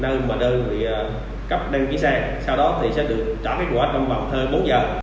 và gỡ đơn cho đơn vị cấp đăng ký xe sau đó sẽ được trả kết quả trong vòng thời bốn giờ